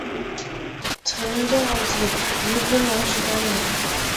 陶绍景于乾隆三年。